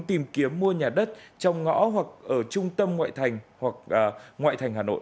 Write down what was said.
tìm kiếm mua nhà đất trong ngõ hoặc ở trung tâm ngoại thành hà nội